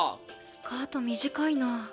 スカート短いな。